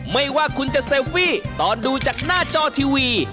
ไม่ว่าคุณจะเซลฟี่ตอนดูจากหน้าจอทีวี